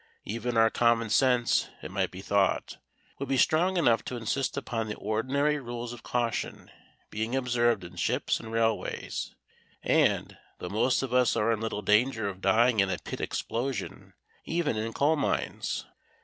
Even our common sense, it might be thought, would be strong enough to insist upon the ordinary rules of caution being observed in ships and railways, and, though most of us are in little danger of dying in a pit explosion, even in coal mines.